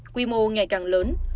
quy mô ngày càng lớn